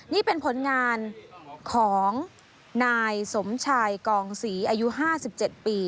นี่เป็นผลงานของนายสมชายกองศรีอายุ๕๗ปี